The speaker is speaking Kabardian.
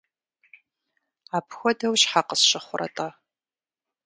Апхуэдэу щхьэ къысщыхъурэ-тӏэ?